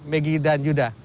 megi dan yuda